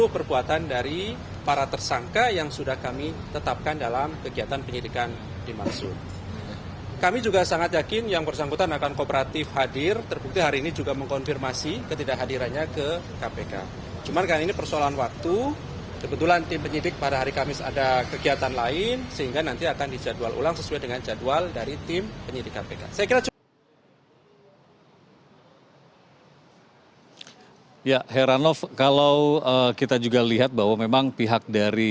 berikut pernyataan ali fikri dari kpk